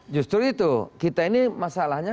justru itu kita ini masalahnya